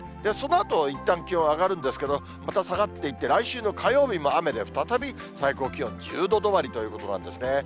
そのあと、いったん気温上がるんですけど、また下がっていって、来週の火曜日も雨で再び最高気温１０度止まりということなんですね。